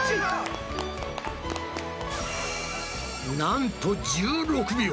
なんと１６秒！